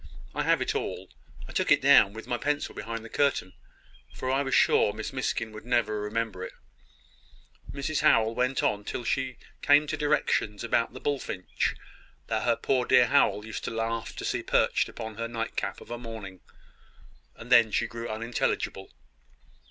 I have it all. I took it down with my pencil, behind the curtain; for I was sure Miss Miskin would never remember it. Mrs Howell went on till she came to directions about the bullfinch that her poor dear Howell used to laugh to see perched upon her nightcap of a morning; and then she grew unintelligible.